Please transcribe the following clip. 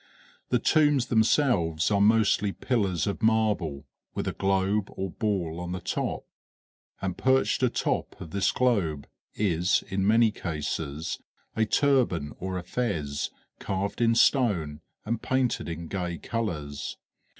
The tombs themselves are mostly pillars of marble, with a globe or ball on the top; and perched atop of this globe is in many cases a turban or a fez, carved in stone and painted in gay colors.